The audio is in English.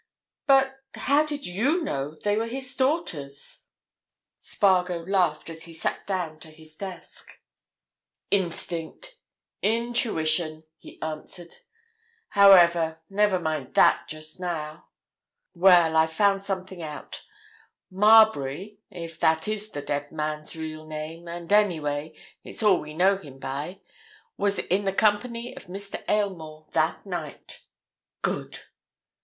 "But—how did you know they were his daughters?" Spargo laughed as he sat down to his desk. "Instinct—intuition," he answered. "However, never mind that, just now. Well—I've found something out. Marbury—if that is the dead man's real name, and anyway, it's all we know him by—was in the company of Mr. Aylmore that night. Good!"